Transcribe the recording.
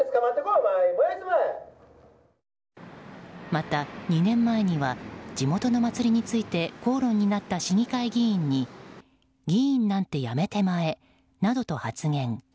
また２年前には地元の祭りについて口論になった市議会議員に議員なんて辞めてまえなどと発言。